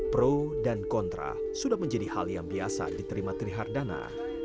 pro dan kontra sudah menjadi hal yang biasa diterima trihardana